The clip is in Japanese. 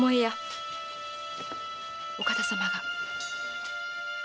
お方様が。